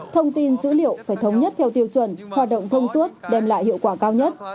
thông tin dữ liệu phải thống nhất theo tiêu chuẩn hoạt động thông suốt đem lại hiệu quả cao nhất